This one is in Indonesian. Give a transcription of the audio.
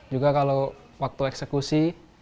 juga kalau waktu eksekusi